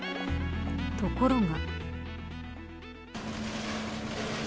ところが。